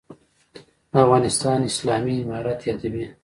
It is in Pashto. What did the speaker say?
«د افغانستان اسلامي امارت» یادوي.